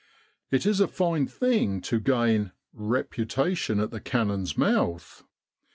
It is a fine thing to gain * 'reputation at the cannon's mouth."